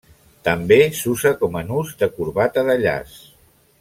També s'usa com a nus de corbata de llaç.